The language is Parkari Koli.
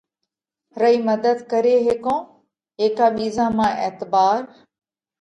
رئي مڌت ڪري هيڪونه؟ هيڪا ٻِيزا مانه اعتبار